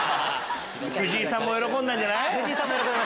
藤井さんも喜んだんじゃない？